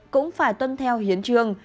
cũng phải tuân theo hiến trương